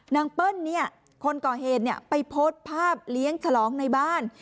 นางเปิ้ลเนี่ยคนก่อเหตุเนี่ยไปโพสต์ภาพเลี้ยงฉลองในบ้าน